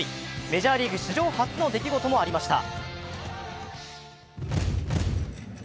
メジャーリーグ史上初の出来事もありました。